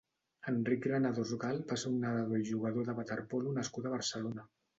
Enric Granados Gal va ser un nedador i jugador de waterpolo nascut a Barcelona.